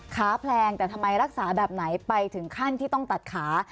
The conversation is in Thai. แผลงแต่ทำไมรักษาแบบไหนไปถึงขั้นที่ต้องตัดขา